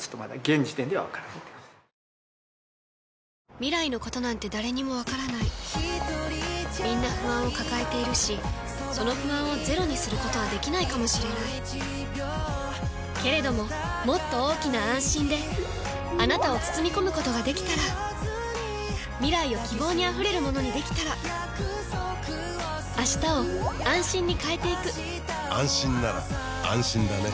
未来のことなんて誰にもわからないみんな不安を抱えているしその不安をゼロにすることはできないかもしれないけれどももっと大きな「あんしん」であなたを包み込むことができたら未来を希望にあふれるものにできたら変わりつづける世界に、「あんしん」を。